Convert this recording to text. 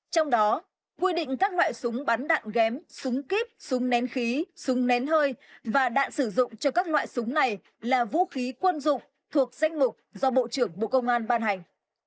trong đó quy định các loại súng bắn đạn ghém súng kíp súng nén khí súng nén hơi và đạn sử dụng cho các loại súng này là vũ khí quân dụng thuộc danh mục do bộ trưởng bộ công an ban hành